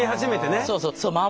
そうそうそう。